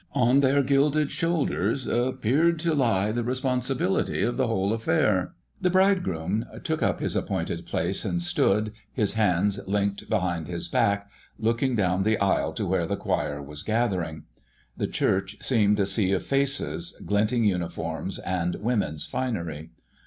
On their gilded shoulders appeared to lie the responsibility of the whole affair. The Bridegroom took up his appointed place and stood, his hands linked behind his back, looking down the aisle to where the choir was gathering. The church seemed a sea of faces, glinting uniforms, and women's finery.